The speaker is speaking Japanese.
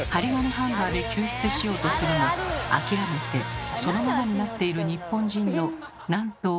ハンガーで救出しようとするも諦めてそのままになっている日本人のなんと多いことか。